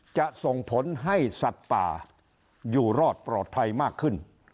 จะส่งผลให้สัตว์ป่าอยู่รอดปลอดภัยมากขึ้น